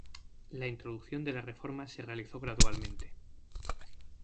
La introducción de la Reforma se realizó gradualmente.